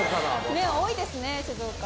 ねえ多いですね静岡。